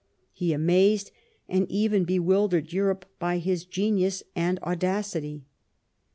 He amazed and even bewildered Europe by his genius and audacity.